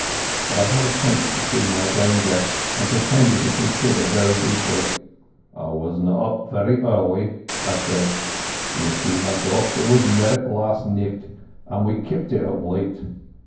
But I had the sense to see my danger. I pretended to consider very deeply. "I wasna up very early," I said. "Ye see, my dochter was merrit last nicht, and we keepit it up late.